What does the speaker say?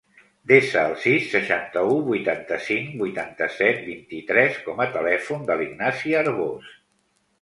Desa el sis, seixanta-u, vuitanta-cinc, vuitanta-set, vint-i-tres com a telèfon de l'Ignasi Arbos.